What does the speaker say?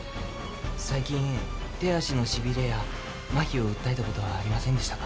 最近手足のしびれや麻痺を訴えたことはありませんでしたか？